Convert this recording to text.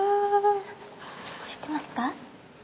知ってますか？